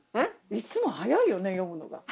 いつも速いよね読むのが。